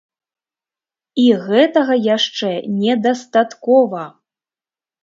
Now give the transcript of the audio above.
І гэтага яшчэ недастаткова!